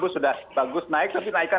delapan sudah bagus naik tapi naikkan